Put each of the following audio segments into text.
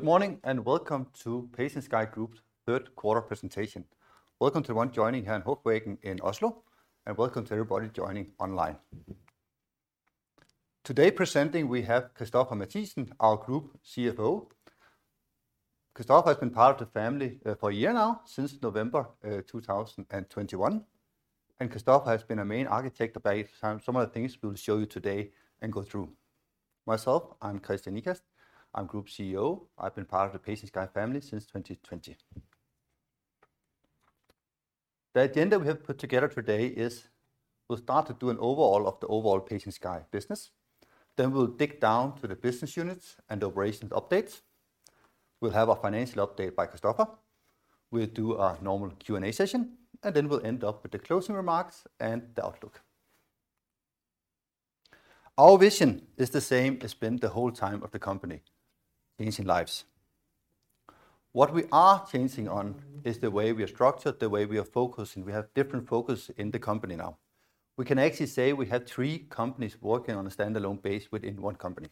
Good morning, and welcome to CodeLab Capital's third quarter presentation. Welcome to everyone joining here in Haakon VIIs gate in Oslo, and welcome to everybody joining online. Today presenting we have Christoffer Mathiesen, our Group CFO. Christoffer has been part of the family for a year now, since November 2021, and Christoffer has been a main architect of some of the things we'll show you today and go through. Myself, I'm Christian Nygaard. I'm Group CEO. I've been part of the CodeLab Capital family since 2020. The agenda we have put together today is we'll start to do an overall of the CodeLab Capital business, then we'll dig down to the business units and operations updates. We'll have a financial update by Christoffer. We'll do our normal Q&A session, and then we'll end up with the closing remarks and the outlook. Our vision is the same as been the whole time of the company, changing lives. What we are changing on is the way we are structured, the way we are focusing. We have different focus in the company now. We can actually say we have three companies working on a standalone base within one company.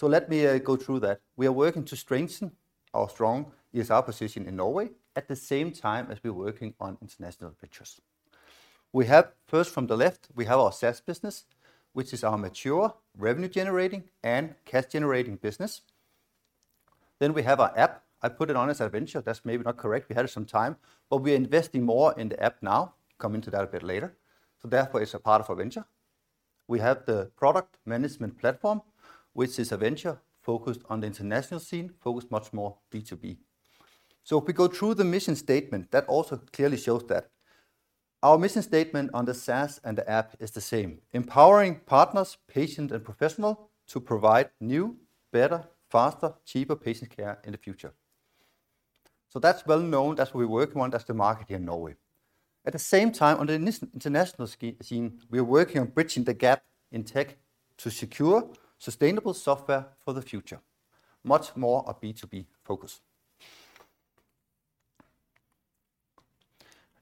Let me go through that. We are working to strengthen our strong EHR position in Norway at the same time as we're working on international ventures. First from the left, we have our SaaS business, which is our mature revenue-generating and cash-generating business. Then we have our app. I put it on as a venture. That's maybe not correct. We had it some time. But we're investing more in the app now. Come into that a bit later. Therefore, it's a part of our venture. We have the product management platform, which is a venture focused on the international scene, focused much more B2B. If we go through the mission statement, that also clearly shows that. Our mission statement on the SaaS and the app is the same: Empowering partners, patients and professionals to provide new, better, faster, cheaper patient care in the future. That's well known. That's what we're working on. That's the market here in Norway. At the same time, on the international scene, we are working on bridging the gap in tech to secure sustainable software for the future. Much more a B2B focus.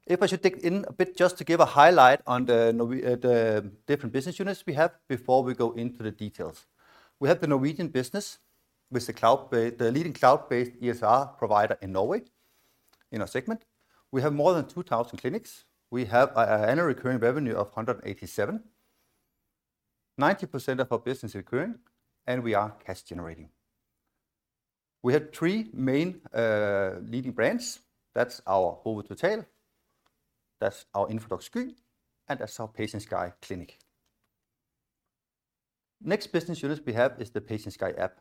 If I should dig in a bit just to give a highlight on the Norwegian, the different business units we have before we go into the details. We have the Norwegian business with the leading cloud-based EHR provider in Norway in our segment. We have more than 2,000 clinics. We have an annual recurring revenue of 187 million. 90% of our business is recurring, and we are cash generating. We have three main leading brands. That's our Hove Total, that's our Infodoc Sky, and that's our PatientSky Clinic. Next business units we have is the PatientSky app.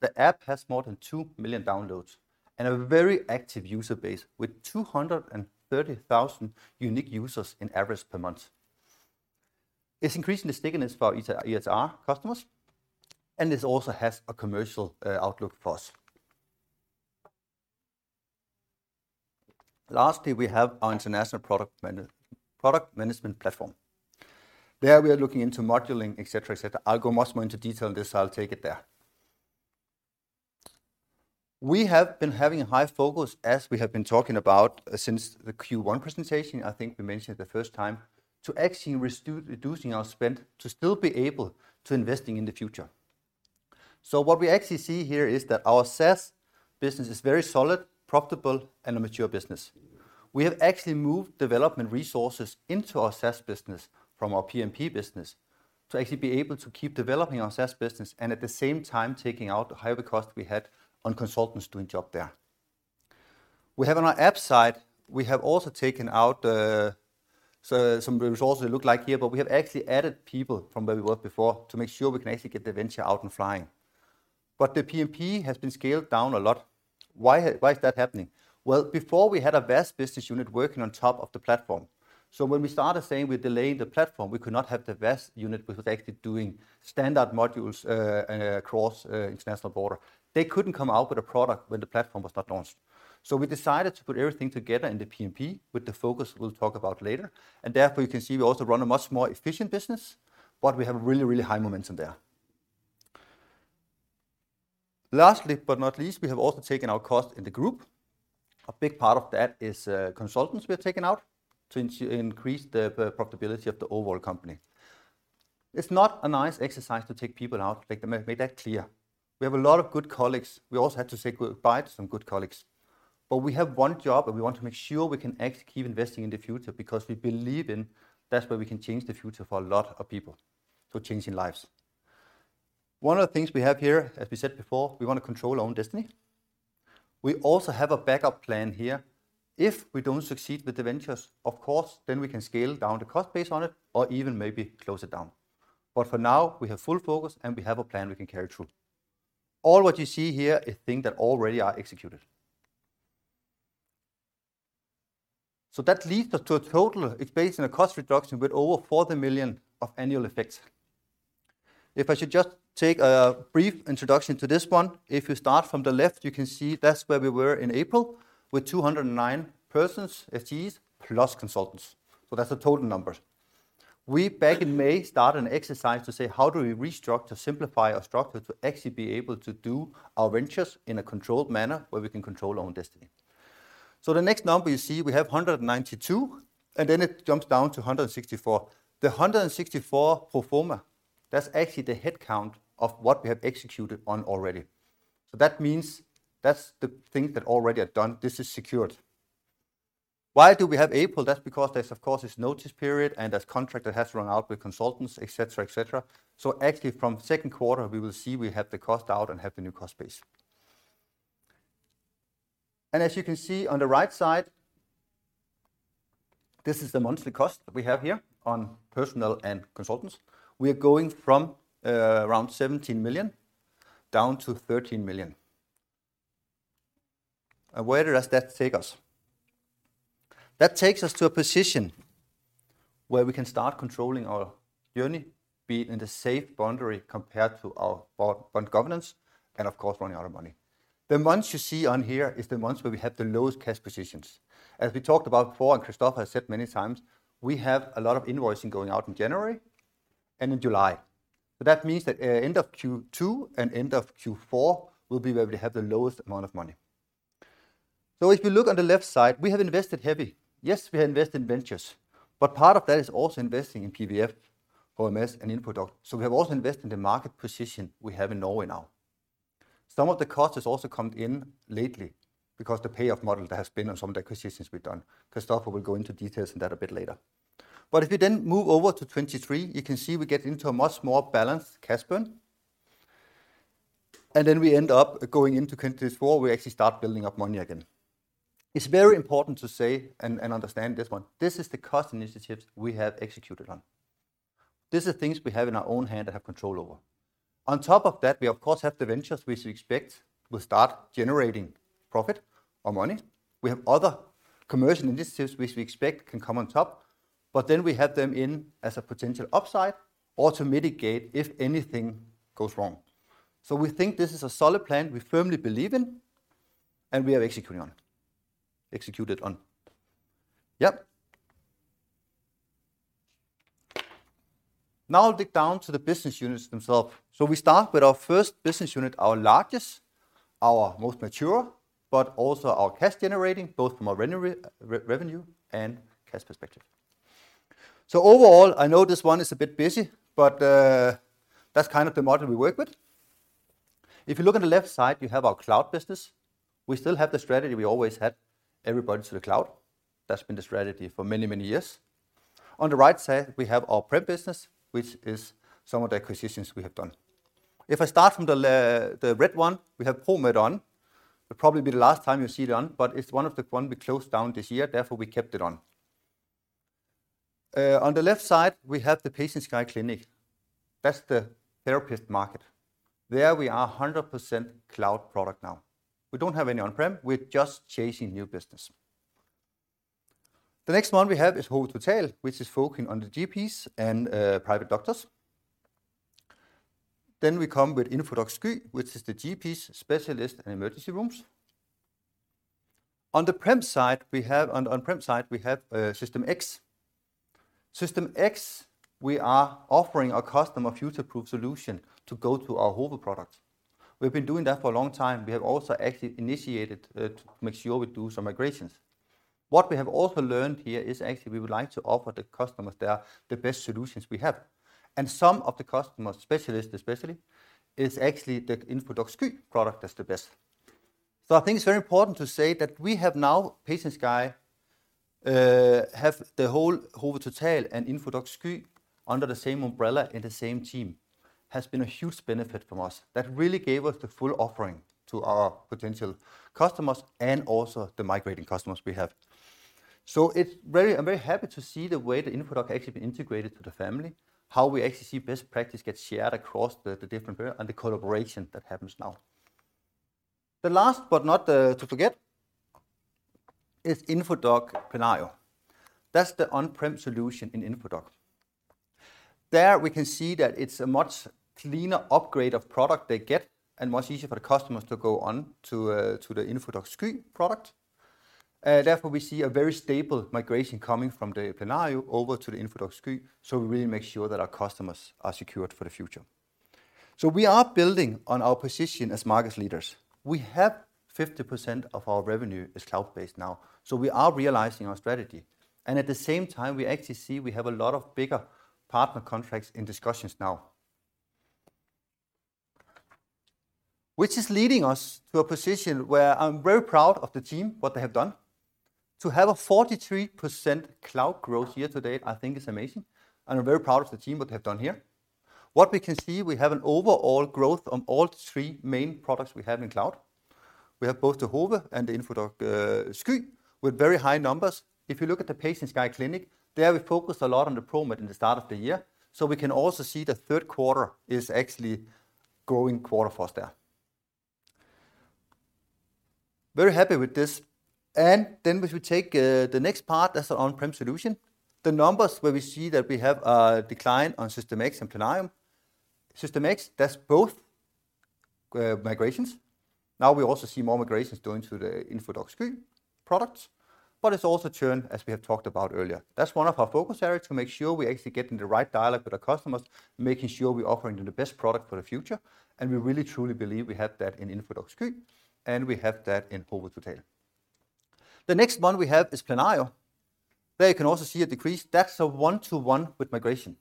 The app has more than 2 million downloads and a very active user base with 230,000 unique users in average per month. It's increasing stickiness for EHR customers, and this also has a commercial outlook for us. Lastly, we have our international product management platform. There we are looking into modeling, et cetera, et cetera. I'll go much more into detail on this. I'll take it there. We have been having a high focus, as we have been talking about since the Q1 presentation. I think we mentioned it the first time, to actually reducing our spend to still be able to invest in the future. What we actually see here is that our SaaS business is very solid, profitable and a mature business. We have actually moved development resources into our SaaS business from our PMP business to actually be able to keep developing our SaaS business and at the same time taking out the higher cost we had on consultants doing job there. We have on our app side, we have also taken out, so some resources it looks like here, but we have actually added people from where we were before to make sure we can actually get the venture out and flying. The PMP has been scaled down a lot. Why is that happening? Well, before we had a vast business unit working on top of the platform. When we started saying we're delaying the platform, we could not have the vast unit which was actually doing standard modules across international border. They couldn't come out with a product when the platform was not launched. We decided to put everything together in the PMP with the focus we'll talk about later. Therefore you can see we also run a much more efficient business, but we have really high momentum there. Lastly, but not least, we have also taken out costs in the group. A big part of that is consultants we have taken out to increase the profitability of the overall company. It's not a nice exercise to take people out, like, make that clear. We have a lot of good colleagues. We also had to say goodbye to some good colleagues. We have one job, and we want to make sure we can actually keep investing in the future because we believe in that's where we can change the future for a lot of people, so changing lives. One of the things we have here, as we said before, we wanna control our own destiny. We also have a backup plan here. If we don't succeed with the ventures, of course, then we can scale down the cost based on it or even maybe close it down. For now, we have full focus, and we have a plan we can carry through. All what you see here is things that already are executed. That leads us to a total of. It's based on a cost reduction with over 40 million of annual effects. If I should just take a brief introduction to this one, if you start from the left, you can see that's where we were in April with 209 persons, FTEs, plus consultants. That's the total numbers. We back in May start an exercise to say how do we restructure, simplify our structure to actually be able to do our ventures in a controlled manner where we can control our own destiny. The next number you see, we have 192, and then it jumps down to 164. The 164 pro forma, that's actually the head count of what we have executed on already. That means that's the things that already are done. This is secured. Why do we have April? That's because there's, of course, this notice period and that contract that has run out with consultants, et cetera, et cetera. Actually from second quarter we will see we have the cost out and have the new cost base. As you can see on the right side, this is the monthly cost that we have here on personnel and consultants. We are going from around 17 million down to 13 million. Where does that take us? That takes us to a position where we can start controlling our journey, be in the safe boundary compared to our bond governance and of course, running out of money. The months you see on here is the months where we have the lowest cash positions. As we talked about before, and Christoffer has said many times, we have a lot of invoicing going out in January and in July. That means that end of Q2 and end of Q4 we'll be where we have the lowest amount of money. If you look on the left side, we have invested heavy. Yes, we have invested in ventures, but part of that is also investing in PvF, OMS and Infodoc. We have also invested in the market position we have in Norway now. Some of the cost has also come in lately because the payoff model that has been on some of the acquisitions we've done. Christoffer will go into details on that a bit later. If we then move over to 2023, you can see we get into a much more balanced cash burn, and then we end up going into 2024, we actually start building up money again. It's very important to say and understand this one, this is the cost initiatives we have executed on. These are things we have in our own hand and have control over. On top of that, we of course have the ventures which we expect will start generating profit or money. We have other commercial initiatives which we expect can come on top, but then we have them in as a potential upside or to mitigate if anything goes wrong. We think this is a solid plan we firmly believe in and we are executing on. Executed on. Yep. Now I'll dig down to the business units themselves. We start with our first business unit, our largest, our most mature, but also our cash generating, both from a revenue and cash perspective. Overall I know this one is a bit busy, but that's kind of the model we work with. If you look on the left side, you have our cloud business. We still have the strategy we always had, everybody to the cloud. That's been the strategy for many, many years. On the right side we have our prem business, which is some of the acquisitions we have done. If I start from the right one, we have Promed on. It'll probably be the last time you see it on, but it's one of the ones we close down this year, therefore we kept it on. On the left side, we have the PatientSky Clinic. That's the therapist market. There we are 100% cloud product now. We don't have any on-prem, we're just chasing new business. The next one we have is Hove Total, which is focusing on the GPs and private doctors. Then we come with Infodoc Sky, which is the GPs, specialists and emergency rooms. On the prem side, we have System X. System X, we are offering our customer future-proof solution to go to our Hove product. We've been doing that for a long time. We have also actually initiated to make sure we do some migrations. What we have also learned here is actually we would like to offer the customers there the best solutions we have. Some of the customers, specialists especially, it's actually the Infodoc Sky product that's the best. I think it's very important to say that we have now PatientSky have the whole Hove Total and Infodoc Sky under the same umbrella in the same team. Has been a huge benefit from us. That really gave us the full offering to our potential customers and also the migrating customers we have. I'm very happy to see the way the Infodoc actually been integrated to the family, how we actually see best practice get shared across the different brands, and the collaboration that happens now. The last but not to forget is Infodoc Plenario. That's the on-prem solution in Infodoc. There we can see that it's a much cleaner upgrade of product they get and much easier for the customers to go on to the Infodoc Sky product. Therefore we see a very stable migration coming from the Plenario over to the Infodoc Sky, so we really make sure that our customers are secured for the future. We are building on our position as market leaders. We have 50% of our revenue is cloud-based now, so we are realizing our strategy. At the same time, we actually see we have a lot of bigger partner contracts in discussions now. Which is leading us to a position where I'm very proud of the team, what they have done. To have a 43% cloud growth year-to-date, I think is amazing, and I'm very proud of the team what they have done here. What we can see, we have an overall growth on all three main products we have in cloud. We have both the Hove and the Infodoc Sky with very high numbers. If you look at the PatientSky Clinic, there we focused a lot on the Promed in the start of the year, so we can also see the third quarter is actually growing quarter for us there. Very happy with this. Then if we take the next part, that's the on-prem solution. The numbers where we see that we have a decline on System X and Plenario. System X, that's both migrations. Now we also see more migrations going to the Infodoc Sky products. It's also churn, as we have talked about earlier. That's one of our focus areas, to make sure we're actually getting the right dialogue with our customers, making sure we're offering them the best product for the future, and we really, truly believe we have that in Infodoc Sky, and we have that in Hove Total. The next one we have is Plenario. There you can also see a decrease. That's a one-to-one with migration.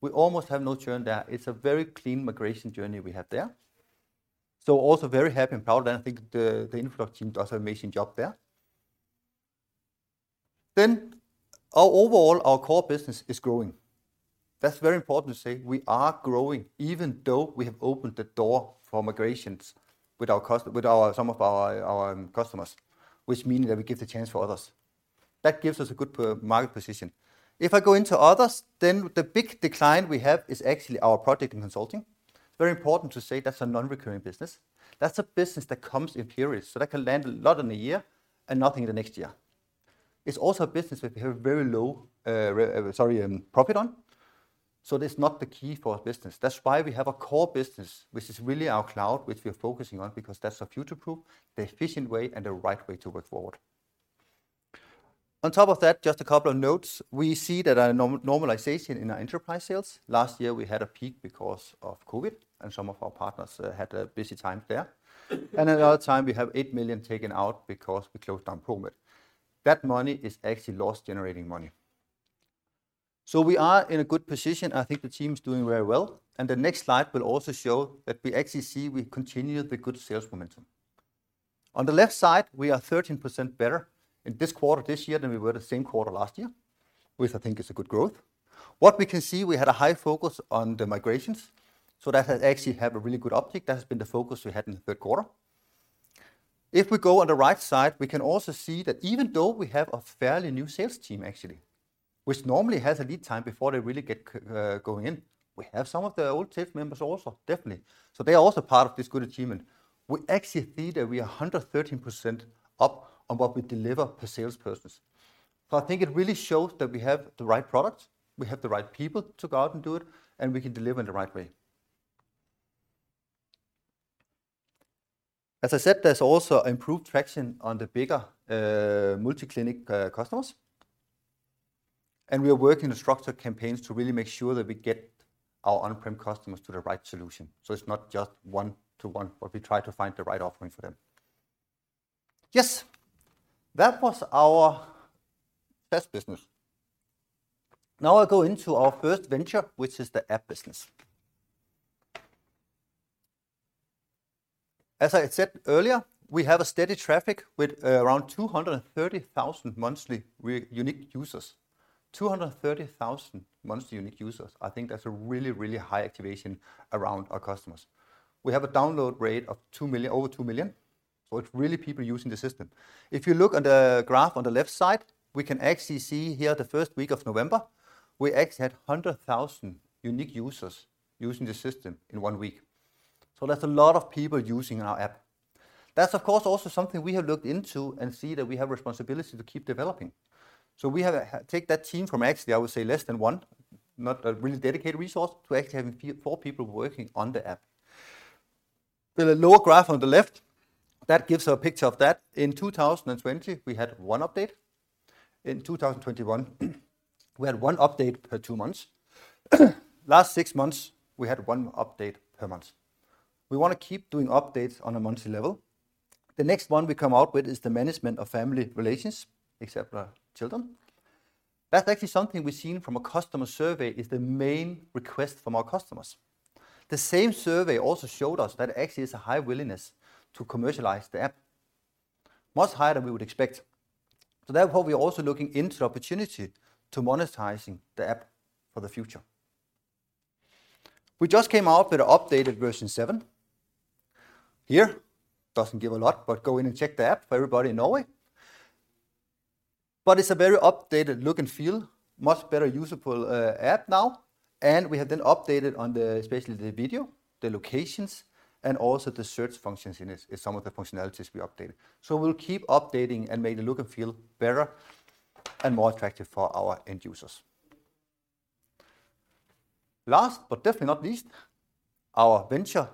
We almost have no churn there. It's a very clean migration journey we have there. We are also very happy and proud, and I think the Infodoc team does an amazing job there. Our overall, our core business is growing. That's very important to say. We are growing even though we have opened the door for migrations with some of our customers, which mean that we give the chance for others. That gives us a good market position. If I go into others, then the big decline we have is actually our product and consulting. Very important to say that's a non-recurring business. That's a business that comes in periods. That can land a lot in a year and nothing in the next year. It's also a business we have very low profit on, that's not the key for our business. That's why we have a core business, which is really our cloud, which we're focusing on because that's the future-proof, the efficient way, and the right way to work forward. On top of that, just a couple of notes. We see that our normalization in our enterprise sales. Last year we had a peak because of COVID, and some of our partners had a busy time there. The other time, we have 8 million taken out because we closed down Promed. That money is actually lost generating money. We are in a good position. I think the team's doing very well. The next slide will also show that we actually see we continue the good sales momentum. On the left side, we are 13% better in this quarter this year than we were the same quarter last year, which I think is a good growth. What we can see, we had a high focus on the migrations, so that has actually had a really good uptick. That has been the focus we had in the third quarter. If we go on the right side, we can also see that even though we have a fairly new sales team, actually, which normally has a lead time before they really get going in, we have some of the old sales members also, definitely. They are also part of this good achievement. We actually see that we are 113% up on what we deliver per salespersons. I think it really shows that we have the right product, we have the right people to go out and do it, and we can deliver in the right way. As I said, there's also improved traction on the bigger, multi-clinic, customers. We are working on structured campaigns to really make sure that we get our on-prem customers to the right solution. It's not just one-to-one, but we try to find the right offering for them. Yes. That was our SaaS business. Now I go into our first venture, which is the app business. As I said earlier, we have a steady traffic with around 230,000 monthly unique users. 230,000 monthly unique users. I think that's a really, really high activation around our customers. We have a download rate of 2 million, over 2 million, so it's really people using the system. If you look on the graph on the left side, we can actually see here the first week of November, we actually had 100,000 unique users using the system in one week. That's a lot of people using our app. That's of course also something we have looked into and see that we have a responsibility to keep developing. We have taken that team from actually, I would say less than one, not a really dedicated resource, to actually having four people working on the app. The lower graph on the left, that gives a picture of that. In 2020, we had one update. In 2021, we had one update per two months. Last six months, we had one update per month. We wanna keep doing updates on a monthly level. The next one we come out with is the management of family relations, except for children. That's actually something we've seen from a customer survey is the main request from our customers. The same survey also showed us that actually it's a high willingness to commercialize the app. Much higher than we would expect. Therefore, we're also looking into opportunity to monetizing the app for the future. We just came out with an updated version 7. Here. Doesn't give a lot, but go in and check the app for everybody in Norway. It's a very updated look and feel. Much better usable app now. We have then updated on the, especially the video, the locations, and also the search functions in it is some of the functionalities we updated. We'll keep updating and make it look and feel better and more attractive for our end users. Last, but definitely not least, our venture,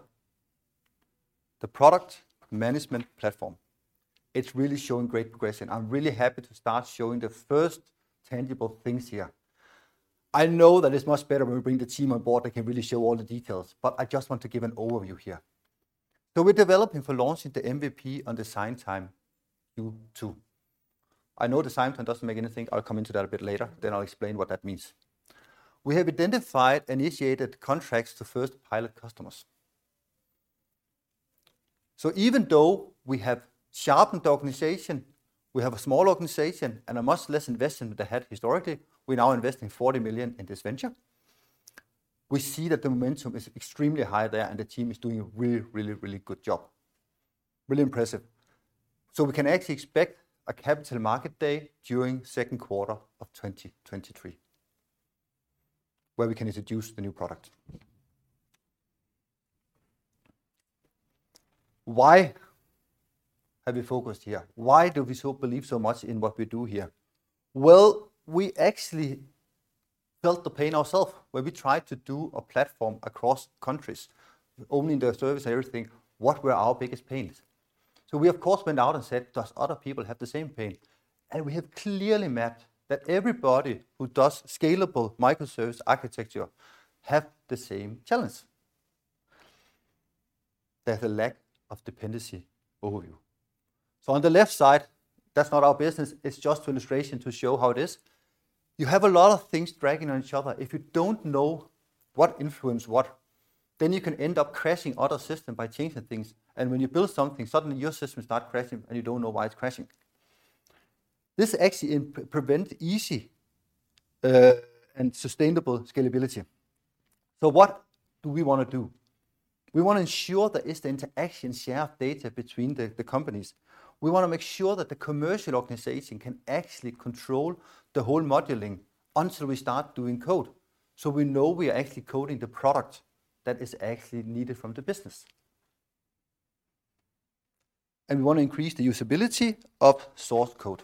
the product management platform. It's really showing great progression. I'm really happy to start showing the first tangible things here. I know that it's much better when we bring the team on board that can really show all the details, but I just want to give an overview here. We're developing for launching the MVP on the same time, Q2. I know the same time doesn't make any sense. I'll come into that a bit later, then I'll explain what that means. We have identified and initiated contracts to first pilot customers. Even though we have sharpened the organization, we have a small organization and a much less investment than we had historically, we're now investing 40 million in this venture. We see that the momentum is extremely high there, and the team is doing a really good job. Really impressive. We can actually expect a capital market day during second quarter of 2023, where we can introduce the new product. Why have we focused here? Why do we so believe so much in what we do here? Well, we actually felt the pain ourselves when we tried to do a platform across countries only in the service and everything, what were our biggest pains? We, of course, went out and said, "Does other people have the same pain?" We have clearly mapped that everybody who does scalable microservice architecture have the same challenge. There's a lack of dependency overview. On the left side, that's not our business, it's just for illustration to show how it is. You have a lot of things dragging on each other. If you don't know what influence what, then you can end up crashing other system by changing things. When you build something, suddenly your system start crashing, and you don't know why it's crashing. This actually prevents easy and sustainable scalability. What do we wanna do? We wanna ensure there is the interaction shared data between the companies. We wanna make sure that the commercial organization can actually control the whole modeling until we start doing code. We know we are actually coding the product that is actually needed from the business. We want to increase the usability of source code.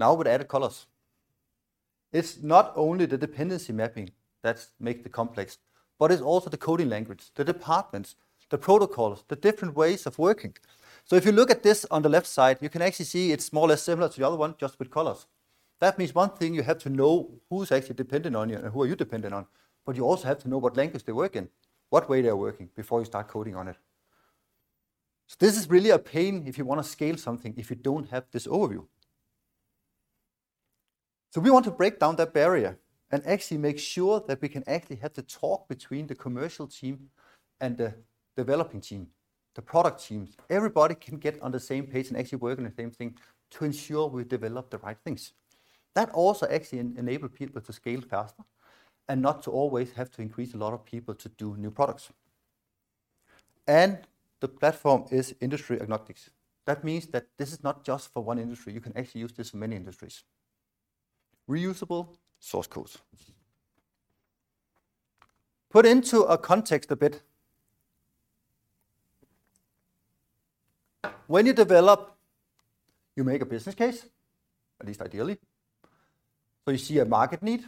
Now with added colors. It's not only the dependency mapping that's make the complex, but it's also the coding language, the departments, the protocols, the different ways of working. If you look at this on the left side, you can actually see it's more or less similar to the other one, just with colors. That means one thing you have to know who's actually dependent on you and who are you dependent on, but you also have to know what language they work in, what way they are working before you start coding on it. This is really a pain if you wanna scale something, if you don't have this overview. We want to break down that barrier and actually make sure that we can actually have the talk between the commercial team and the developing team, the product teams. Everybody can get on the same page and actually work on the same thing to ensure we develop the right things. That also actually enable people to scale faster and not to always have to increase a lot of people to do new products. The platform is industry agnostic. That means that this is not just for one industry. You can actually use this in many industries. Reusable source codes. Put into a context a bit. When you develop, you make a business case, at least ideally. You see a market need.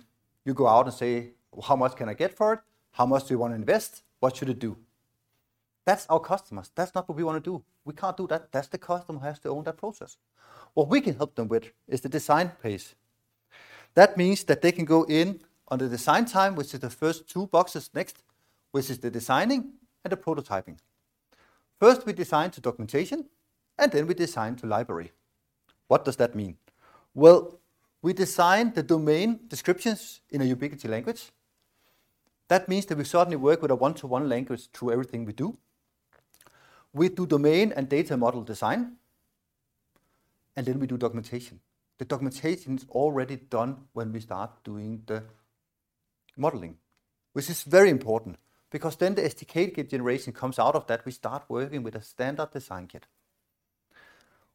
You go out and say, "How much can I get for it? How much do you wanna invest? What should it do?" That's our customers. That's not what we wanna do. We can't do that. That's the customer has to own that process. What we can help them with is the design phase. That means that they can go in on the design time, which is the first two boxes next, which is the designing and the prototyping. First, we design to documentation, and then we design to library. What does that mean? Well, we design the domain descriptions in a ubiquitous language. That means that we certainly work with a one-to-one language through everything we do. We do domain and data model design, and then we do documentation. The documentation is already done when we start doing the modeling, which is very important because then the SDK kit generation comes out of that. We start working with a standard design kit.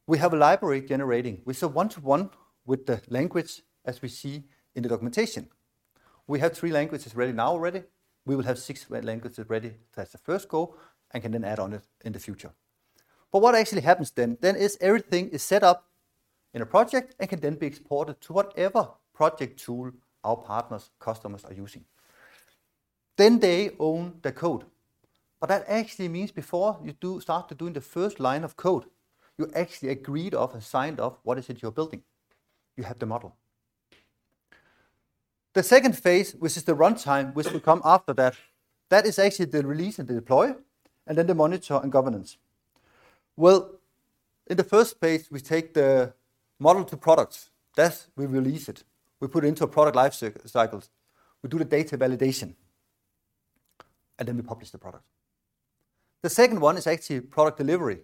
We have a library generating with a one-to-one with the language as we see in the documentation. We have three languages ready now already. We will have six languages ready as the first go and can then add on it in the future. What actually happens then is everything is set up in a project and can then be exported to whatever project tool our partners, customers are using. They own the code. That actually means before you start to doing the first line of code, you actually agreed on and signed off what it is you're building. You have the model. The second phase, which is the runtime, which will come after that is actually the release and deploy, and then the monitor and governance. Well, in the first phase, we take the model to products. That's we release it. We put it into a product life cycles. We do the data validation, and then we publish the product. The second one is actually product delivery.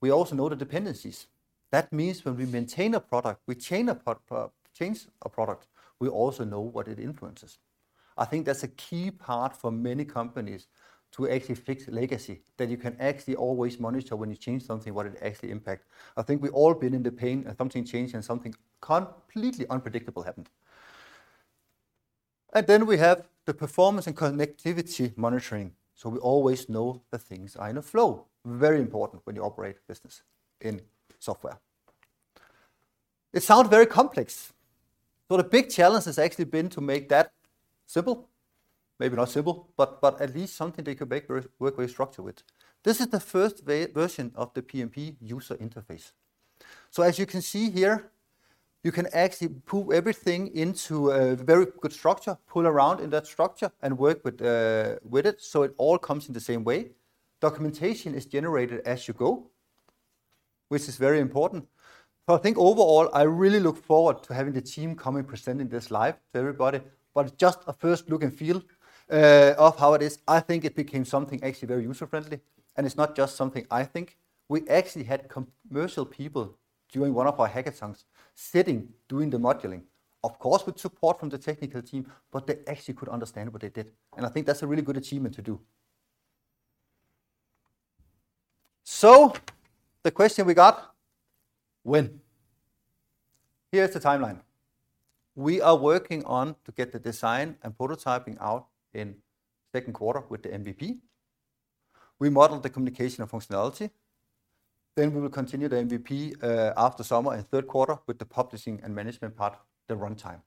We also know the dependencies. That means when we maintain a product, we change a product, we also know what it influences. I think that's a key part for many companies to actually fix legacy, that you can actually always monitor when you change something, what it actually impact. I think we've all been in the pain of something changed, and something completely unpredictable happened. We have the performance and connectivity monitoring, so we always know the things are in a flow. Very important when you operate business in software. It sounds very complex, but a big challenge has actually been to make that simple. Maybe not simple, but at least something they could make work very structured with. This is the first version of the PMP user interface. As you can see here, you can actually put everything into a very good structure, pull around in that structure and work with it, so it all comes in the same way. Documentation is generated as you go, which is very important. I think overall, I really look forward to having the team coming presenting this live to everybody, but it's just a first look and feel of how it is. I think it became something actually very user-friendly, and it's not just something I think. We actually had commercial people during one of our hackathons sitting, doing the modeling. Of course, with support from the technical team, but they actually could understand what they did, and I think that's a really good achievement to do. The question we got: When? Here is the timeline. We are working on to get the design and prototyping out in second quarter with the MVP. We model the communication of functionality, then we will continue the MVP after summer and third quarter with the publishing and management part of the runtime.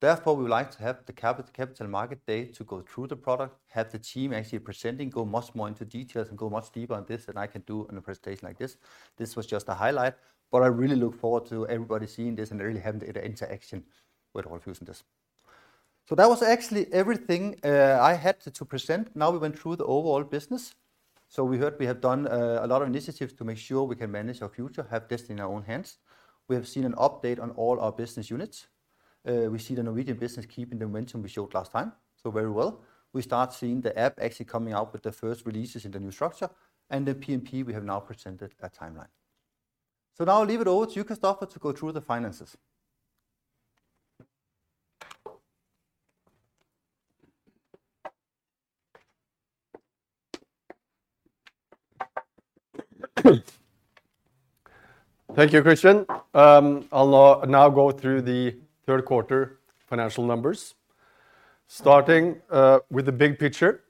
Therefore, we would like to have the capital market date to go through the product, have the team actually presenting, go much more into details and go much deeper on this than I can do in a presentation like this. This was just a highlight, but I really look forward to everybody seeing this and really having the interaction with all of us in this. That was actually everything I had to present. Now we went through the overall business. We heard we have done a lot of initiatives to make sure we can manage our future, have this in our own hands. We have seen an update on all our business units. We see the Norwegian business keeping the momentum we showed last time, so very well. We start seeing the app actually coming out with the first releases in the new structure and the PMP we have now presented a timeline. Now I'll leave it over to Christoffer Mathiesen to go through the finances. Thank you, Christian. I'll now go through the third quarter financial numbers. Starting with the big picture.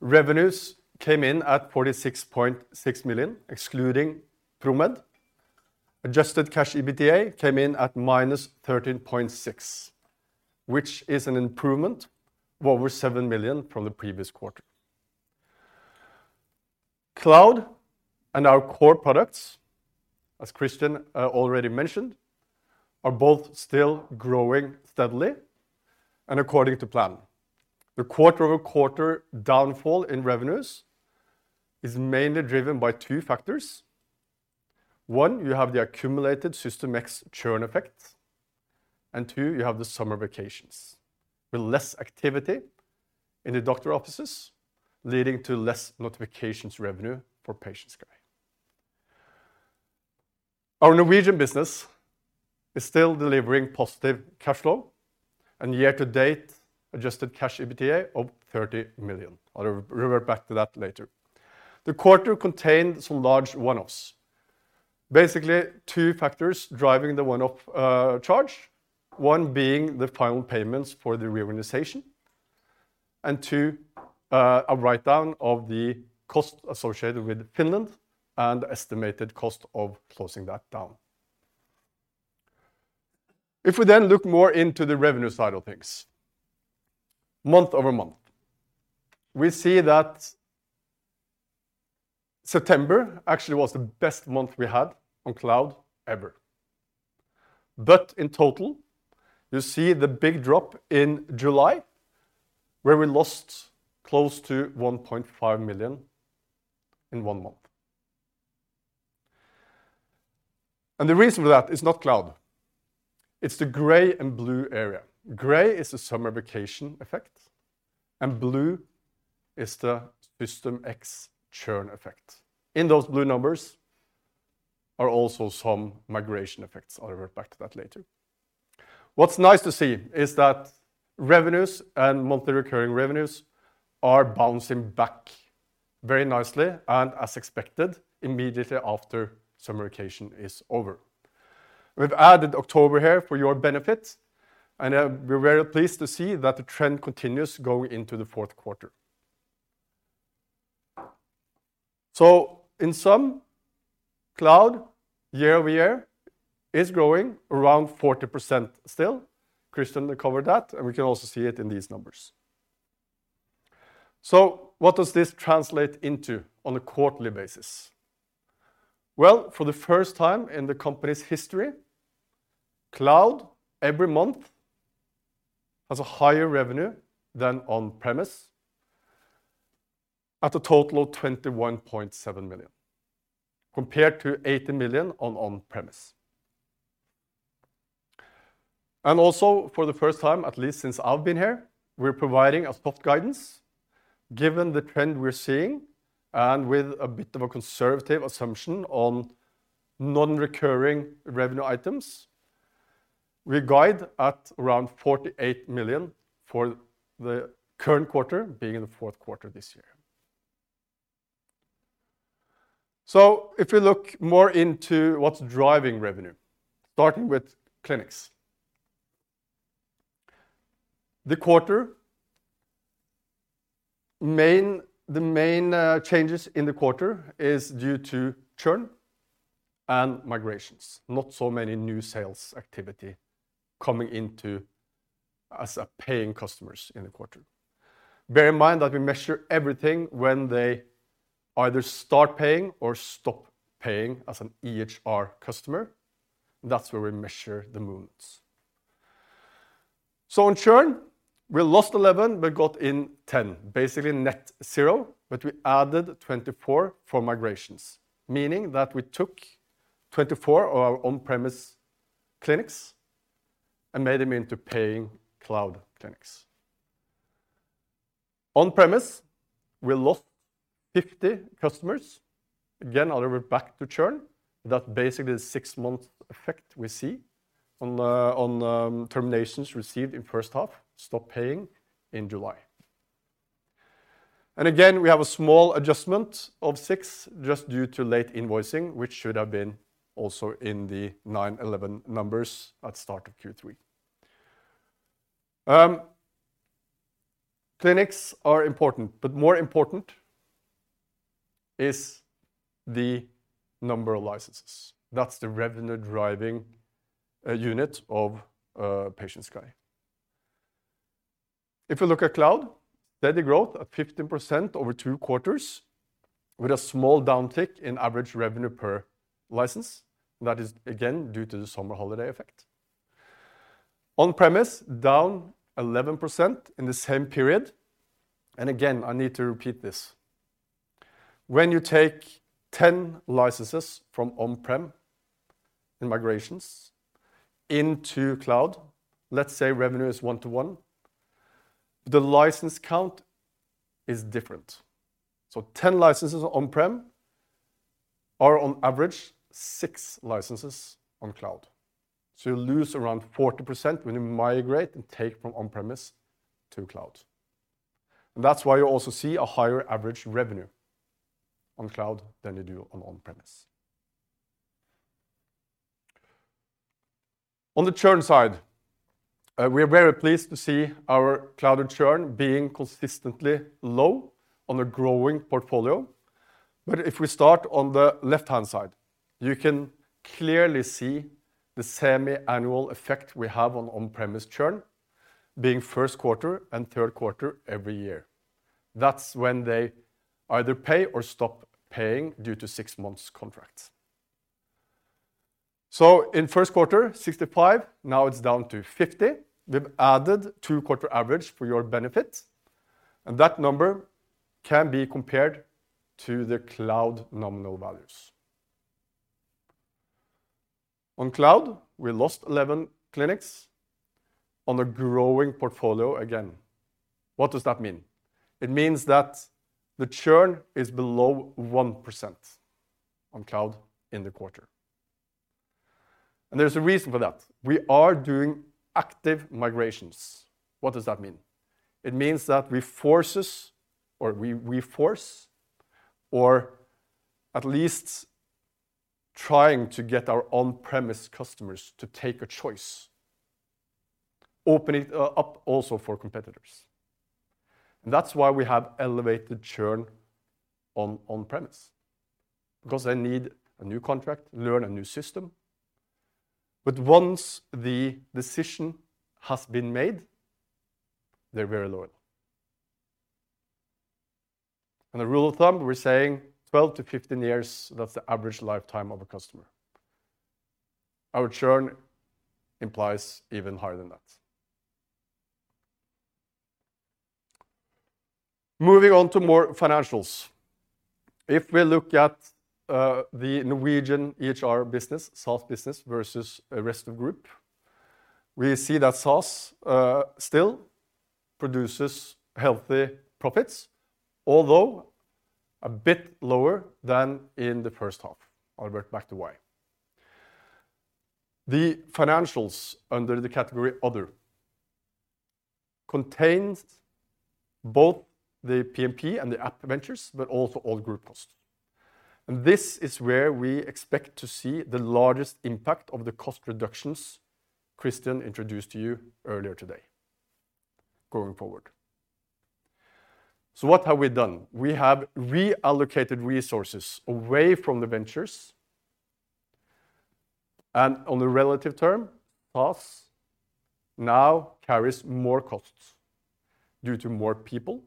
Revenues came in at 46.6 million, excluding Promed. Adjusted cash EBITDA came in at -13.6 million, which is an improvement of over 7 million from the previous quarter. Cloud and our core products, as Christian already mentioned, are both still growing steadily and according to plan. The quarter-over-quarter downfall in revenues is mainly driven by two factors. One, you have the accumulated System X churn effect, and two, you have the summer vacations with less activity in the doctor offices, leading to less notifications revenue for PatientSky. Our Norwegian business is still delivering positive cash flow and year-to-date adjusted cash EBITDA of 30 million. I'll revert back to that later. The quarter contained some large one-offs. Basically two factors driving the one-off charge, one being the final payments for the reorganization, and two, a write-down of the cost associated with Finland and estimated cost of closing that down. If we then look more into the revenue side of things, month-over-month, we see that September actually was the best month we had on cloud ever. In total, you see the big drop in July, where we lost close to 1.5 million in one month. The reason for that is not cloud. It's the gray and blue area. Gray is the summer vacation effect, and blue is the System X churn effect. In those blue numbers are also some migration effects. I'll revert back to that later. What's nice to see is that revenues and monthly recurring revenues are bouncing back very nicely and as expected immediately after summer vacation is over. We've added October here for your benefit, and we're very pleased to see that the trend continues going into the fourth quarter. In sum, cloud year-over-year is growing around 40% still. Christian covered that, and we can also see it in these numbers. What does this translate into on a quarterly basis? Well, for the first time in the company's history, cloud every month has a higher revenue than on-premise at a total of 21.7 million, compared to 80 million on on-premise. Also, for the first time, at least since I've been here, we're providing a spot guidance given the trend we're seeing and with a bit of a conservative assumption on non-recurring revenue items. We guide at around 48 million for the current quarter being in the fourth quarter this year. If we look more into what's driving revenue, starting with clinics. The main changes in the quarter is due to churn and migrations, not so many new sales activity coming in as paying customers in the quarter. Bear in mind that we measure everything when they either start paying or stop paying as an EHR customer. That's where we measure the movements. On churn, we lost 11, but got in 10, basically net zero, but we added 24 for migrations, meaning that we took 24 of our on-premise clinics and made them into paying cloud clinics. On-premise, we lost 50 customers. Again, I'll revert back to churn. That basically is a 6-month effect we see on the terminations received in first half, stop paying in July. Again, we have a small adjustment of 6 just due to late invoicing, which should have been also in the 9/11 numbers at start of Q3. Clinics are important, but more important is the number of licenses. That's the revenue-driving unit of PatientSky. If you look at cloud, steady growth at 15% over two quarters with a small downtick in average revenue per license. That is again due to the summer holiday effect. On-premise, down 11% in the same period. Again, I need to repeat this. When you take 10 licenses from on-prem in migrations into cloud, let's say revenue is one-to-one, the license count is different. So 10 licenses on-prem are on average 6 licenses on cloud. You lose around 40% when you migrate and take from on-premise to cloud. That's why you also see a higher average revenue on cloud than you do on on-premise. On the churn side, we are very pleased to see our cloud churn being consistently low on a growing portfolio. If we start on the left-hand side, you can clearly see the semi-annual effect we have on on-premise churn being first quarter and third quarter every year. That's when they either pay or stop paying due to six months contracts. In first quarter, 65, now it's down to 50. We've added two-quarter average for your benefit, and that number can be compared to the cloud nominal values. On cloud, we lost 11 clinics on a growing portfolio again. What does that mean? It means that the churn is below 1% on cloud in the quarter. There's a reason for that. We are doing active migrations. What does that mean? It means that we force or at least trying to get our on-premise customers to take a choice, opening up also for competitors. That's why we have elevated churn on on-premise because they need a new contract, learn a new system. Once the decision has been made, they're very loyal. A rule of thumb, we're saying 12-15 years, that's the average lifetime of a customer. Our churn implies even higher than that. Moving on to more financials. If we look at the Norwegian EHR business, SaaS business versus rest of group, we see that SaaS still produces healthy profits, although a bit lower than in the first half. I'll get back to why. The financials under the category other contains both the PMP and the app ventures, but also all group costs. This is where we expect to see the largest impact of the cost reductions Christian introduced to you earlier today going forward. What have we done? We have reallocated resources away from the ventures and in relative terms, SaaS now carries more costs due to more people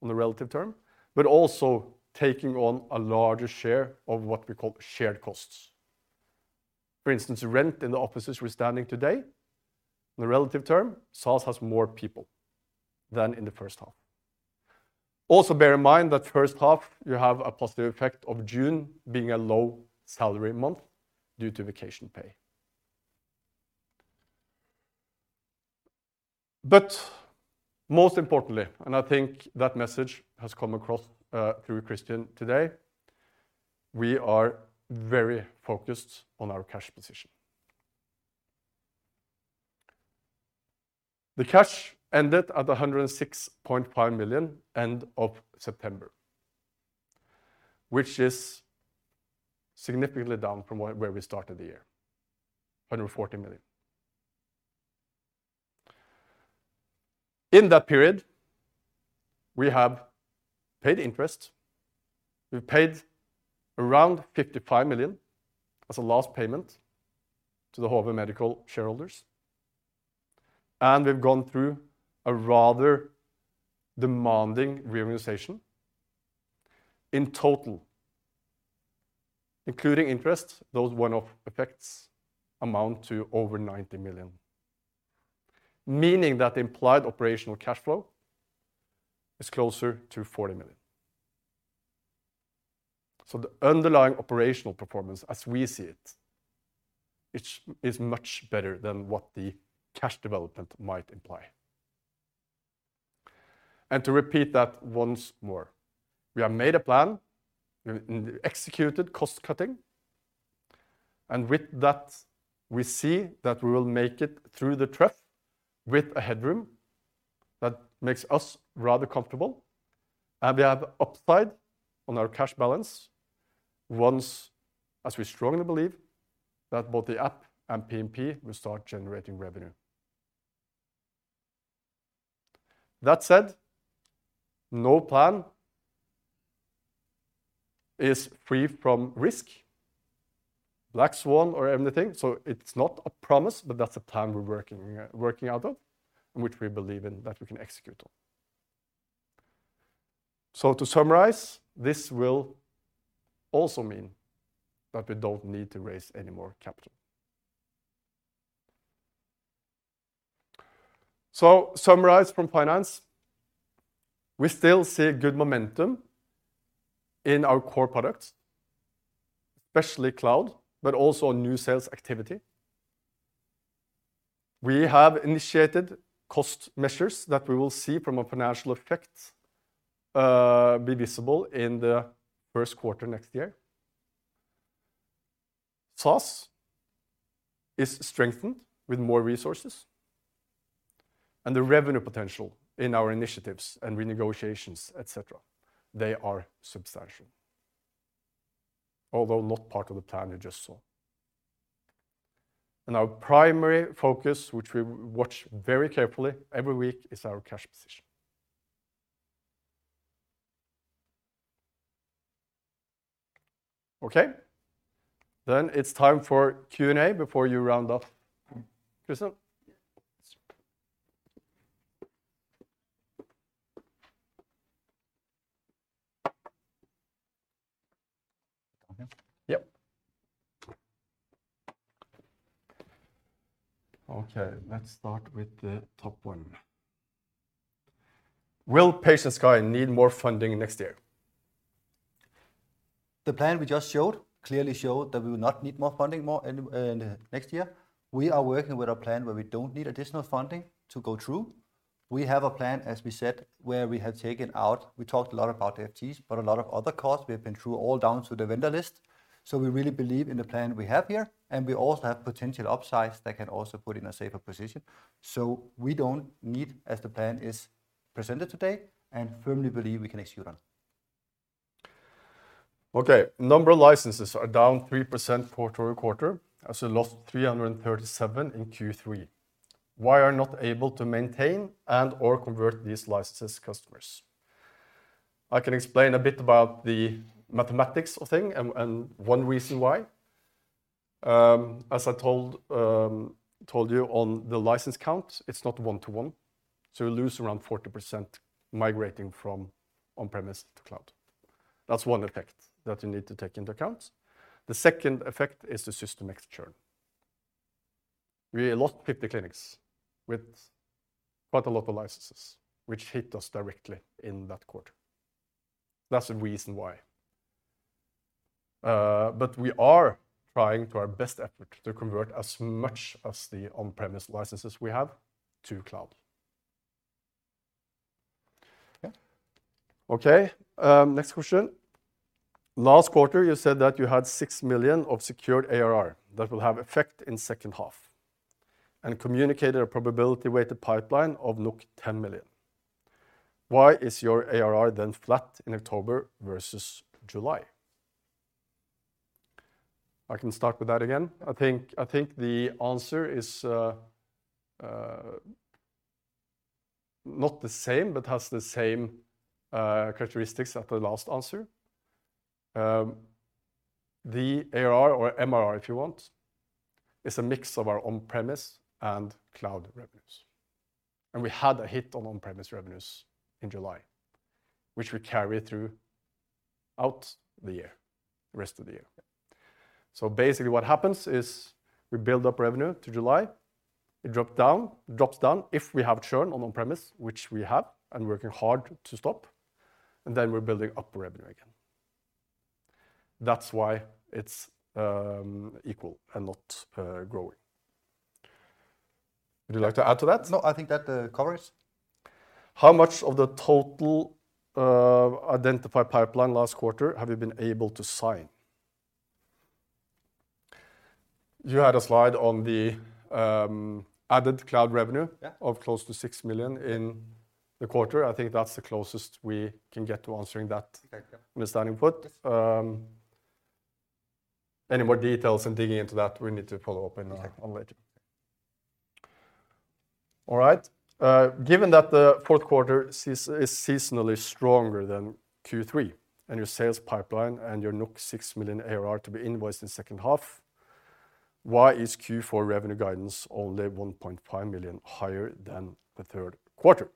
in relative terms, but also taking on a larger share of what we call shared costs. For instance, rent in the offices we're standing today, in relative terms, SaaS has more people than in the first half. Also bear in mind that first half, you have a positive effect of June being a low salary month due to vacation pay. Most importantly, I think that message has come across through Christian today, we are very focused on our cash position. The cash ended at 106.5 million end of September, which is significantly down from where we started the year, 140 million. In that period, we have paid interest. We've paid around 55 million as a last payment to the Hove Medical Systems shareholders. We've gone through a rather demanding reorganization. In total, including interest, those one-off effects amount to over 90 million, meaning that the implied operational cash flow is closer to 40 million. The underlying operational performance as we see it is much better than what the cash development might imply. To repeat that once more, we have made a plan, we've executed cost-cutting. With that, we see that we will make it through the trough with a headroom that makes us rather comfortable. We have upside on our cash balance once, as we strongly believe, that both the app and PMP will start generating revenue. That said, no plan is free from risk, black swan or anything. It's not a promise, but that's a plan we're working out of, and which we believe in that we can execute on. To summarize, this will also mean that we don't need to raise any more capital. Summarize from finance, we still see a good momentum in our core products, especially cloud, but also new sales activity. We have initiated cost measures that we will see from a financial effect, be visible in the first quarter next year. SaaS is strengthened with more resources and the revenue potential in our initiatives and renegotiations, et cetera, they are substantial, although not part of the plan you just saw. Our primary focus, which we watch very carefully every week, is our cash position. Okay. It's time for Q&A before you round off, Christian. Yeah. Sure. Down here? Yep. Okay, let's start with the top one. Will PatientSky need more funding next year? The plan we just showed clearly showed that we will not need more funding anymore in next year. We are working with a plan where we don't need additional funding to go through. We have a plan, as we said, where we have taken out. We talked a lot about the FTEs, but a lot of other costs we have been through all down to the vendor list. We really believe in the plan we have here, and we also have potential upsides that can also put in a safer position. We don't need as the plan is presented today and firmly believe we can execute on. Okay. Number of licenses are down 3% quarter-over-quarter, as we lost 337 in Q3. Why are you not able to maintain and/or convert these licenses customers? I can explain a bit about the mathematics of thing and one reason why. As I told you on the license count, it's not one-to-one, so you lose around 40% migrating from on-premise to cloud. That's one effect that you need to take into account. The second effect is the systemic churn. We lost 50 clinics with quite a lot of licenses, which hit us directly in that quarter. That's the reason why. We are trying to our best effort to convert as much as the on-premise licenses we have to cloud. Yeah. Okay, next question. Last quarter, you said that you had 6 million of secured ARR that will have effect in second half and communicated a probability-weighted pipeline of 10 million. Why is your ARR then flat in October versus July? I can start with that again. I think the answer is not the same, but has the same characteristics as the last answer. The ARR or MRR, if you want, is a mix of our on-premise and cloud revenues. We had a hit on on-premise revenues in July, which we carry throughout the year, rest of the year. Basically what happens is we build up revenue to July, it drops down if we have churn on on-premise, which we have and working hard to stop, and then we're building up revenue again. That's why it's equal and not growing. Would you like to add to that? No, I think that covers. How much of the total identified pipeline last quarter have you been able to sign? You had a slide on the added cloud revenue- Yeah of close to 6 million in the quarter. I think that's the closest we can get to answering that. Exactly with that input. Any more details and digging into that, we need to follow up in a tech call later. All right. Given that the fourth quarter is seasonally stronger than Q3 and your sales pipeline and your 6 million ARR to be invoiced in second half, why is Q4 revenue guidance only 1.5 million higher than the third quarter?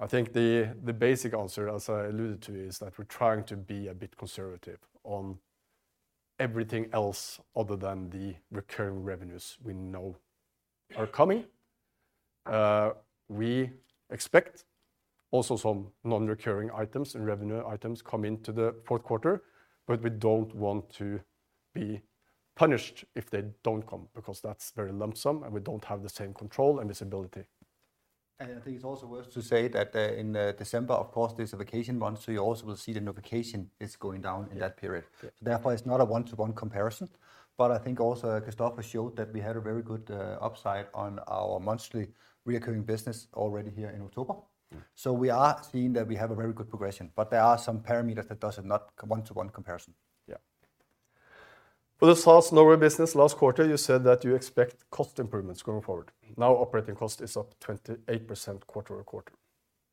I think the basic answer, as I alluded to, is that we're trying to be a bit conservative on everything else other than the recurring revenues we know are coming. We expect also some non-recurring items and revenue items come into the fourth quarter, but we don't want to be punished if they don't come because that's very lump sum, and we don't have the same control and visibility. I think it's also worth to say that, in December, of course, it's a vacation month, so you also will see the notification is going down in that period. Yeah. Therefore, it's not a one-to-one comparison. I think also Christoffer showed that we had a very good upside on our monthly recurring business already here in October. Mm. We are seeing that we have a very good progression, but there are some parameters that does not one-to-one comparison. Yeah. For the SaaS Norway business last quarter, you said that you expect cost improvements going forward. Now operating cost is up 28% quarter-over-quarter.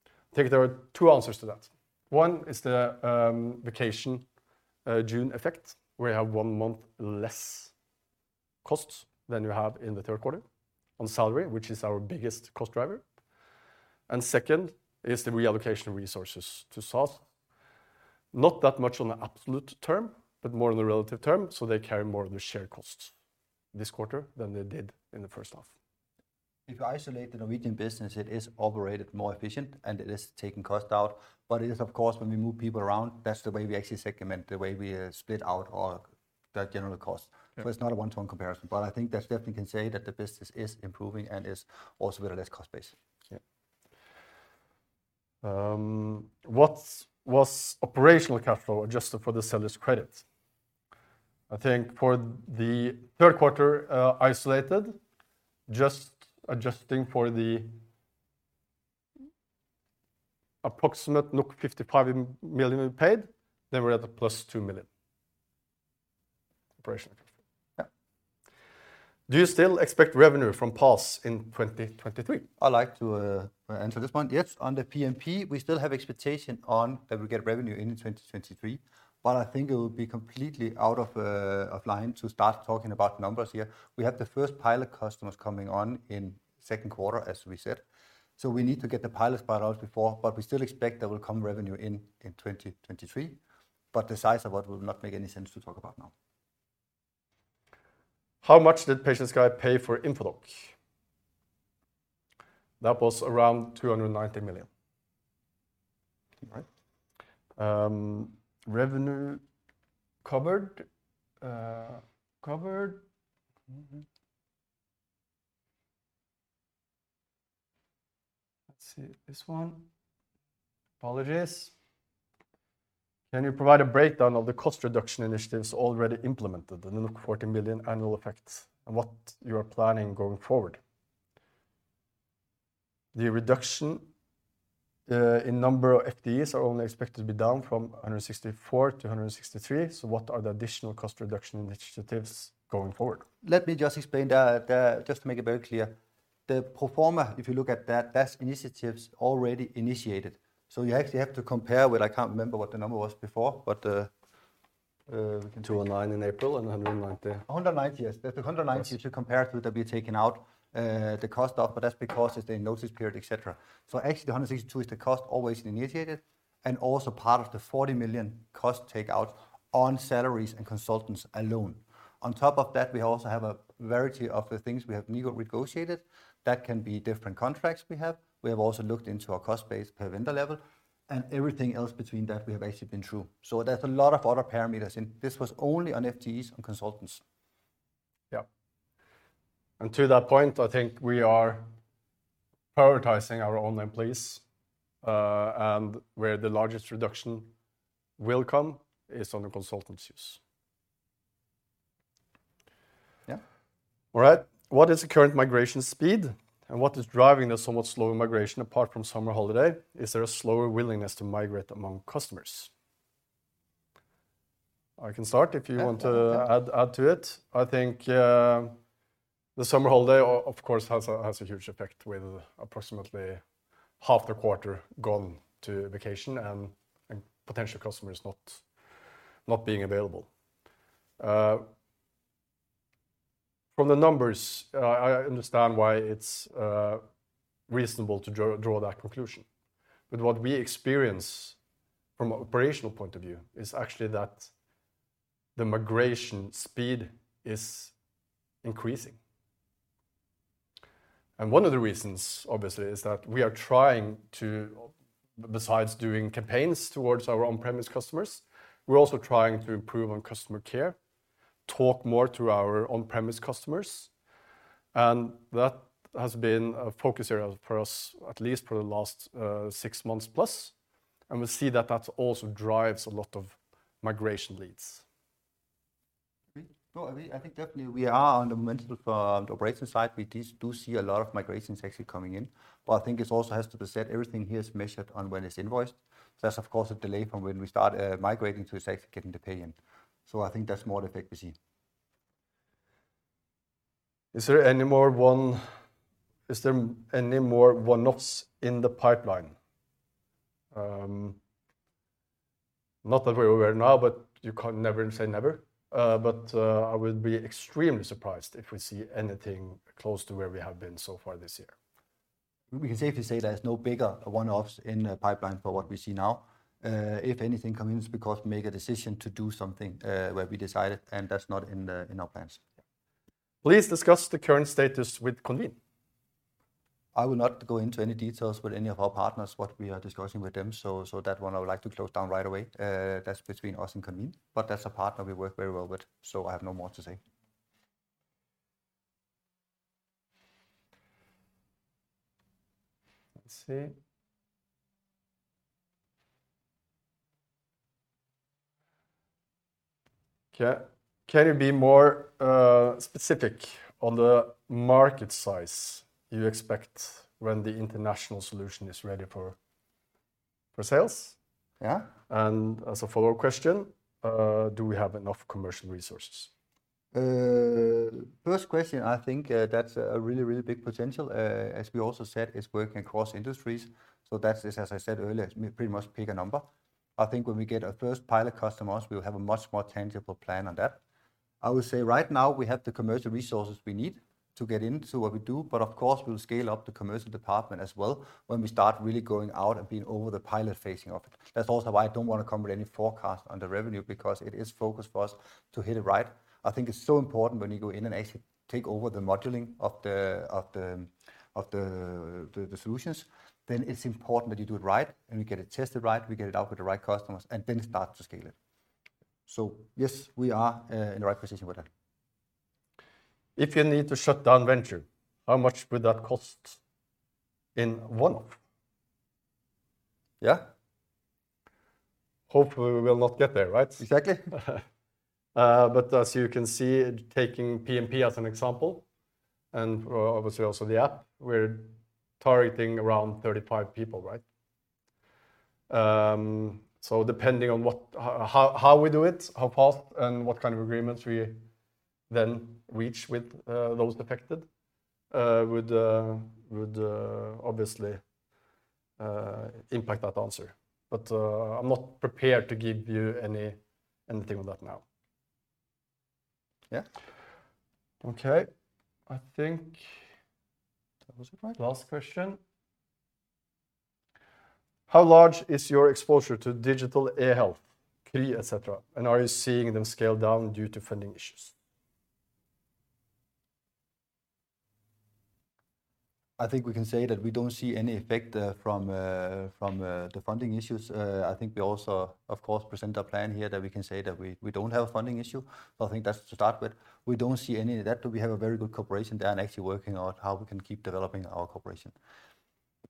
I think there are two answers to that. One is the vacation June effect, where you have one month less costs than you have in the third quarter on salary, which is our biggest cost driver. Second is the reallocation of resources to SaaS. Not that much on the absolute term, but more on the relative term, so they carry more of the shared costs this quarter than they did in the first half. If you isolate the Norwegian business, it is operated more efficient, and it is taking cost out. It is of course, when we move people around, that's the way we actually segment, the way we split out all the general costs. Yeah. It's not a one-to-one comparison, but I think that definitely can say that the business is improving and is also with a less cost base. Yeah. What was operational cash flow adjusted for the seller's credit? I think for the third quarter, isolated, just adjusting for the approximate 55 million we paid, then we're at a +2 million operational. Yeah. Do you still expect revenue from PaaS in 2023? I'd like to answer this one. Yes, under PMP, we still have expectation on that we'll get revenue in 2023. I think it would be completely out of line to start talking about numbers here. We have the first pilot customers coming on in second quarter, as we said. We need to get the pilot part out before, but we still expect there will come revenue in 2023. The size of what will not make any sense to talk about now. How much did PatientSky pay for Infodoc? That was around 290 million. Right? Let's see this one. Apologies. Can you provide a breakdown of the cost reduction initiatives already implemented in the 40 million annual effects and what you are planning going forward? The reduction in number of FTEs are only expected to be down from 164 to 163, so what are the additional cost reduction initiatives going forward? Let me just explain that, just to make it very clear. The pro forma, if you look at that's initiatives already initiated. You actually have to compare with, I can't remember what the number was before, but, we can. 209 in April and 190. 190, yes. That's the 190 to compare to that we've taken out, the cost of, but that's because it's the notice period, et cetera. Actually, the 162 is the cost savings initiated and also part of the 40 million cost takeout on salaries and consultants alone. On top of that, we also have a variety of the things we have negotiated. That can be different contracts we have. We have also looked into our cost base per vendor level and everything else between that we have actually been through. There's a lot of other parameters, and this was only on FTEs and consultants. Yeah. To that point, I think we are prioritizing our own employees, and where the largest reduction will come is on the consultant use. Yeah. All right. What is the current migration speed, and what is driving the somewhat slower migration apart from summer holiday? Is there a slower willingness to migrate among customers? I can start if you want to add to it. I think, the summer holiday of course, has a huge effect with approximately half the quarter gone to vacation and potential customers not being available. From the numbers, I understand why it's reasonable to draw that conclusion. What we experience from operational point of view is actually that the migration speed is increasing. One of the reasons, obviously, is that we are trying to, besides doing campaigns towards our on-premise customers, we're also trying to improve on customer care, talk more to our on-premise customers, and that has been a focus area for us, at least for the last six months plus. We see that that also drives a lot of migration leads. No, I mean, I think definitely we are on the operational side. We do see a lot of migrations actually coming in. I think it also has to be said, everything here is measured on when it's invoiced. There's of course a delay from when we start migrating to when it's actually getting the payment in. I think that's more the effect we see. Is there any more one-offs in the pipeline? Not that we're aware now, but you can't never say never. I would be extremely surprised if we see anything close to where we have been so far this year. We can safely say there is no bigger one-offs in the pipeline for what we see now. If anything comes, it's because we make a decision to do something, where we decide it, and that's not in our plans. Please discuss the current status with Confrere. I will not go into any details with any of our partners, what we are discussing with them. That one I would like to close down right away. That's between us and Confrere. That's a partner we work very well with, so I have no more to say. Let's see. Can you be more specific on the market size you expect when the international solution is ready for sales? Yeah. As a follow-up question, do we have enough commercial resources? First question, I think, that's a really big potential. As we also said, it's working across industries, so that's just, as I said earlier, it's pretty much pick a number. I think when we get our first pilot customers, we will have a much more tangible plan on that. I would say right now we have the commercial resources we need to get into what we do, but of course, we'll scale up the commercial department as well when we start really going out and being over the pilot phasing of it. That's also why I don't wanna come with any forecast on the revenue because it is focused for us to hit it right. I think it's so important when you go in and actually take over the modeling of the solutions, then it's important that you do it right, and we get it tested right. We get it out with the right customers and then start to scale it. Yes, we are in the right position with that. If you need to shut down Venture, how much would that cost in one-off? Yeah. Hopefully, we will not get there, right? Exactly. As you can see, taking PMP as an example, and obviously also the app, we're targeting around 35 people, right? So depending on how we do it, how fast, and what kind of agreements we then reach with those affected would obviously impact that answer. I'm not prepared to give you anything on that now. Yeah. Okay. I think that was it, right? Last question. How large is your exposure to digital e-health, Kry, et cetera, and are you seeing them scale down due to funding issues? I think we can say that we don't see any effect from the funding issues. I think we also, of course, present a plan here that we can say that we don't have a funding issue. I think that's to start with. We don't see any of that, but we have a very good cooperation there and actually working on how we can keep developing our cooperation.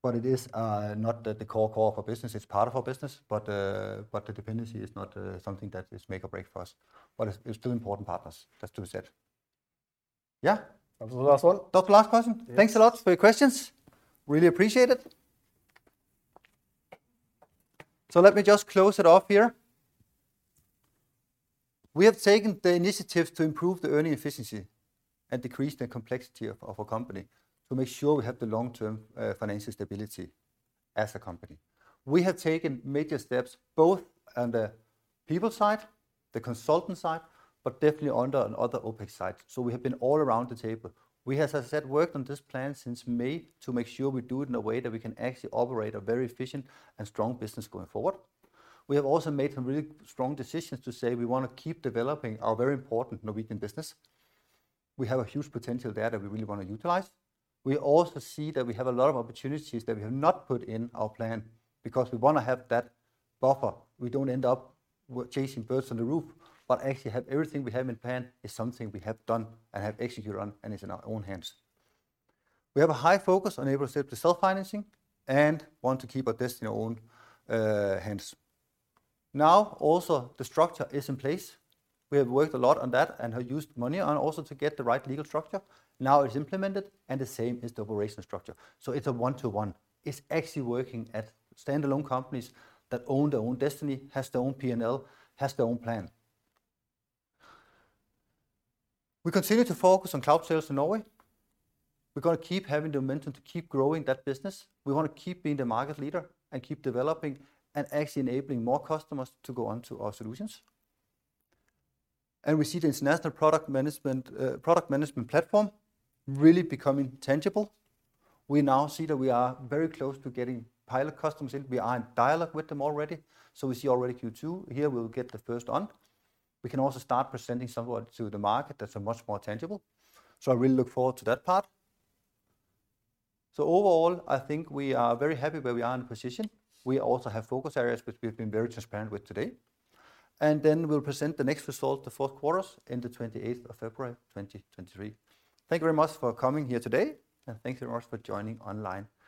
But it is not that the core of our business. It's part of our business, but the dependency is not something that is make or break for us. But it's two important partners, that's to be said. Yeah. That was the last one. That the last question? Yes. Thanks a lot for your questions. Really appreciate it. Let me just close it off here. We have taken the initiative to improve the earning efficiency and decrease the complexity of our company to make sure we have the long-term financial stability as a company. We have taken major steps both on the people side, the consultant side, but definitely on the other OpEx side. We have been all around the table. We have, as I said, worked on this plan since May to make sure we do it in a way that we can actually operate a very efficient and strong business going forward. We have also made some really strong decisions to say we wanna keep developing our very important Norwegian business. We have a huge potential there that we really wanna utilize. We also see that we have a lot of opportunities that we have not put in our plan because we wanna have that buffer. We don't end up chasing birds on the roof, but actually have everything we have in plan is something we have done and have executed on and is in our own hands. We have a high focus on able to set the self-financing and want to keep our destiny in our own hands. Now, also the structure is in place. We have worked a lot on that and have used money and also to get the right legal structure. Now it's implemented and the same is the operational structure. It's a one-to-one. It's actually working at stand-alone companies that own their own destiny, has their own P&L, has their own plan. We continue to focus on cloud sales in Norway. We're gonna keep having the momentum to keep growing that business. We wanna keep being the market leader and keep developing and actually enabling more customers to go onto our solutions. We see the international product management platform really becoming tangible. We now see that we are very close to getting pilot customers in. We are in dialogue with them already. We see already Q2 here, we'll get the first on. We can also start presenting somewhat to the market that's much more tangible, so I really look forward to that part. Overall, I think we are very happy where we are in position. We also have focus areas which we've been very transparent with today. Then we'll present the next result, the fourth quarters, in the 28th of February, 2023. Thank you very much for coming here today, and thank you very much for joining online. Have a good day.